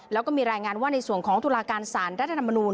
แล้วก็มีรายงานว่าในส่วนของตุลาการสารรัฐธรรมนูล